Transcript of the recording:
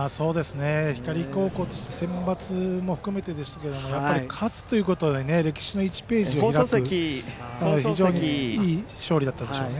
光高校としてセンバツも含めてですがやっぱり勝つことで歴史の１ページを開く非常にいい勝利でしたね。